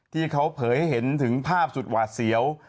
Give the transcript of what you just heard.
ที่เขาเผยให้เห็นถึงภาพสุดหวาดเสียว